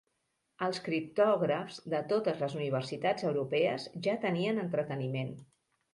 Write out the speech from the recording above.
Els criptògrafs de totes les universitats europees ja tenien entreteniment.